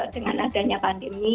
dengan adanya pandemi